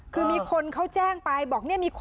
คือมีคนเขาแจ้งไปบอก